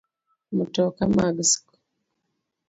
Mtoka mag sk